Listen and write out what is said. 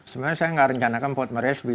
sebenarnya saya gak rencanakan port morrisby